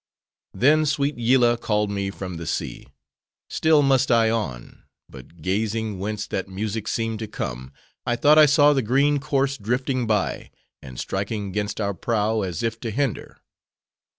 Then sweet Yillah called me from the sea;—still must I on! but gazing whence that music seemed to come, I thought I saw the green corse drifting by: and striking 'gainst our prow, as if to hinder.